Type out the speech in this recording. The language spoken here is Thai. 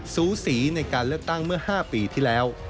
สูสีในการเลือกตั้งเมื่อ๕ปีที่แล้ว